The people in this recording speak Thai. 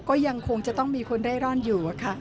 ก็ยังคงจะต้องมีคนเร่ร่อนอยู่